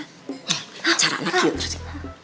nih cara anak yuk berarti